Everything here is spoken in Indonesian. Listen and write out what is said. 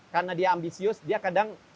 karena dia ambisius dia kadang